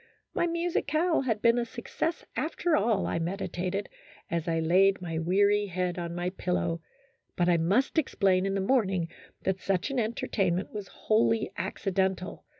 My musicale had been a success after all, I meditated, as I laid my weary head on my pillow, but I must explain in the morning that such an entertainment was wholly accidental.